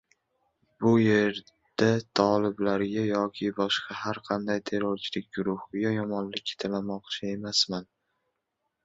Bu yerda toliblarga yoki boshqa har qanday terrorchilik guruhiga yomonlik tilamoqchi emasman.